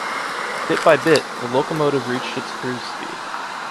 Bit by bit, the locomotive reached its cruise speed.